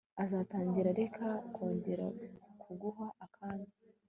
azatangira areke kongera kuguha akanya